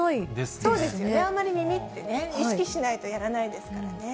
そうですね、あんまり耳ってね、意識しないとやらないですからね。